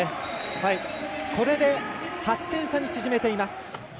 これで８点差に縮めています。